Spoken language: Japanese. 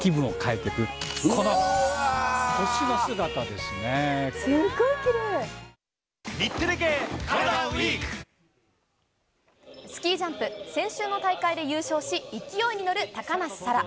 ですけスキージャンプ、先週の大会で優勝し、勢いに乗る高梨沙羅。